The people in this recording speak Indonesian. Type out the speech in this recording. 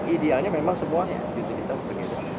idealnya memang semua utilitas berbeda